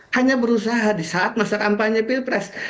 hanya berusaha di saat masa kampanye pilpres